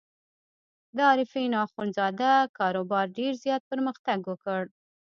د عارفین اخندزاده کاروبار ډېر زیات پرمختګ وکړ.